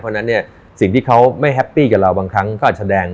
เพราะฉะนั้นเนี่ยสิ่งที่เขาไม่แฮปปี้กับเราบางครั้งก็อาจจะแสดง